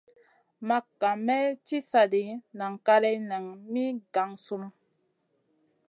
Makŋa may ci sa ɗi nan kaleya nen min gangsunu.